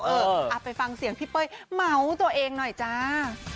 เอาไปฟังเสียงพี่เป้ยเมาส์ตัวเองหน่อยจ้า